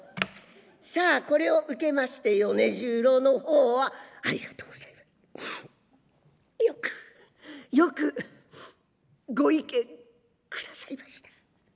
さあこれを受けまして米十郎の方は「ありがとうございます。よくよくご意見くださいました。